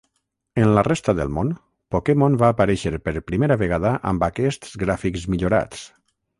En la resta del món, Pokémon va aparèixer per primera vegada amb aquests gràfics millorats.